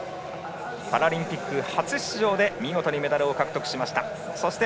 パラリンピック初出場で見事にメダルを獲得しました。